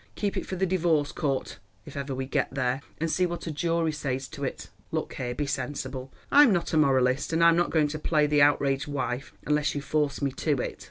Keep it for the divorce court, if ever we get there, and see what a jury says to it. Look here; be sensible. I am not a moralist, and I am not going to play the outraged wife unless you force me to it.